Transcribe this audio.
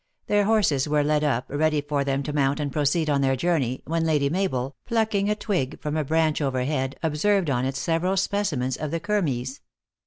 Their horses were led up, ready for them to mount and proceed on their journey, when Lady Mabel, plucking a twig from a branch over head, observed on it several specimens of the kermes.